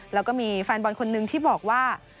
แล้วก็มีแฟนบอลคนนึงที่บอกว่า